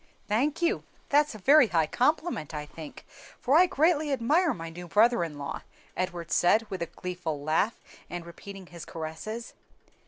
"Thank you; that's a very high compliment, I think; for I greatly admire my new brother in law," Edward said, with a gleeful laugh, and repeating his caresses.